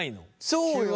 そうよね。